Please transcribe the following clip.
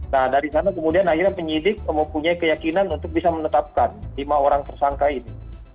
nah dari sana kemudian akhirnya penyidik mempunyai keyakinan untuk bisa menetapkan lima orang tersangka ini